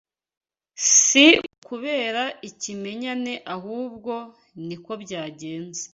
Si ukubera ikimenyane ahubwo niko byagenze